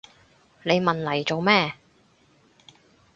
你問嚟做咩？